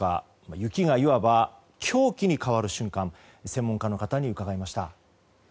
雪が、いわば凶器に代わる瞬間を専門家の方に伺いました。